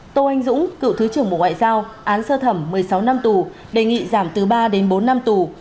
tô anh dũng cựu thứ trưởng bộ ngoại giao án sơ thẩm một mươi sáu năm tù đề nghị giảm từ ba đến bốn năm tù